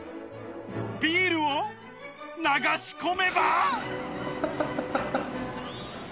ビールを流し込めば。